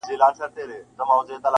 د ملالي دننګ چيغي -